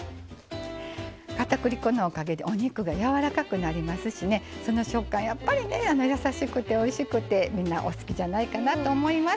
かたくり粉のおかげでお肉がやわらかくなりますしその食感、やっぱりやさしくておいしくてみんなお好きじゃないかなと思います。